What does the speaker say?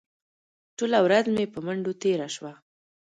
ټوله ورځ مې په منډو تېره شوه.